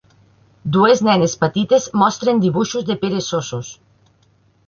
Dues nenes petites mostren dibuixos de peresosos.